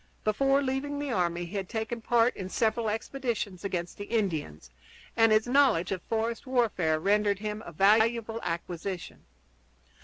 Before leaving the army he had taken part in several expeditions against the Indians, and his knowledge of forest warfare rendered him a valuable acquisition.